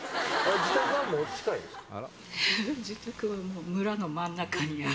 自宅は村の真ん中にある。